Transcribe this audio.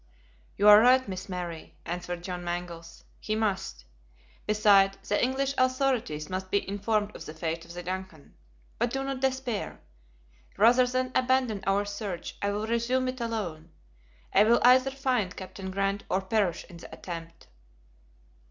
"You are right, Miss Mary," answered John Mangles; "he must. Beside, the English authorities must be informed of the fate of the DUNCAN. But do not despair. Rather than abandon our search I will resume it alone! I will either find Captain Grant or perish in the attempt!"